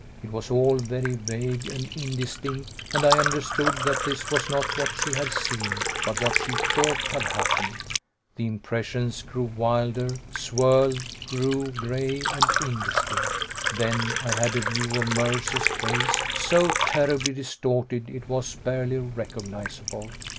It was all very vague and indistinct, and I understood that this was not what she had seen, but what she thought had happened. The impressions grew wilder, swirled, grew gray and indistinct. Then I had a view of Mercer's face, so terribly distorted it was barely recognizable.